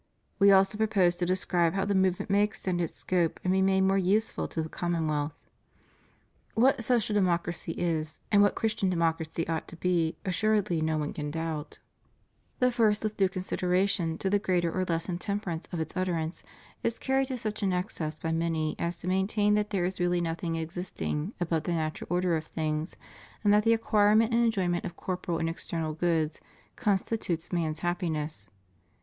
We also propose to describe how the movement may extend its scope and be made more useful to the commonwealth. What Social Democracy is and what Christian Democ racy ought to be, assuredly no one can doubt. The first, 482 CHRISTIAN DEMOCRACY. with due consideration to the greater or less intemperance of its utterance, is carried to such an excess by many as to maintain that there is really nothing existing above the natural order of things, and that the acquirement and enjoyment of corporal and external goods constitute man's happiness.